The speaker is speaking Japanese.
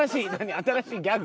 新しいギャグ？